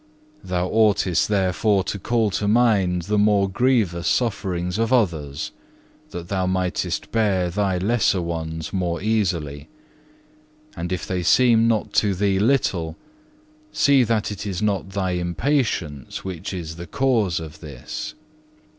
Thou oughtest therefore to call to mind the more grievous sufferings of others that thou mightest bear thy lesser ones more easily, and if they seem not to thee little, see that it is not thy impatience which is the cause of this.